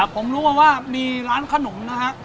ผมรู้มาว่ามีร้านขนมนะฮะ